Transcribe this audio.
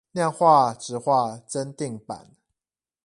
量化質化增訂版